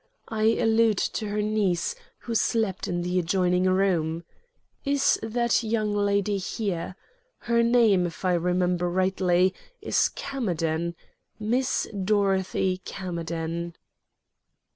I allude to her niece, who slept in the adjoining room. Is that young lady here? Her name, if I remember rightly, is Camerden Miss Dorothy Camerden."